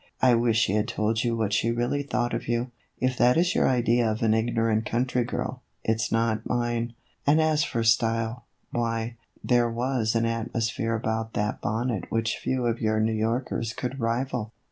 I wish she had told you what she really thought of you. If that is your idea of an ignorant country girl, it 's not mine ; and as for style, why, there was an atmosphere about that bonnet which few of your New Yorkers could rival.